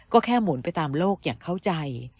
ก็แค่หมุนไปตามโลกอย่างเข้าใจ